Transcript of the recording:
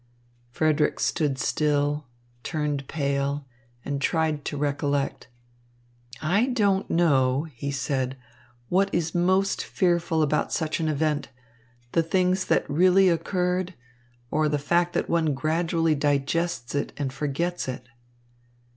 Frederick stood still, turned pale, and tried to recollect. "I don't know," he said, "what is most fearful about such an event, the things that really occurred, or the fact that one gradually digests it and forgets it."